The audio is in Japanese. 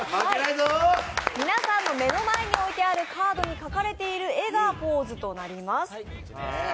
皆さんの前に描かれているカードに描かれているものがポーズになります。